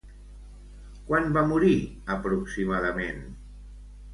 Quan va morir aproximadament?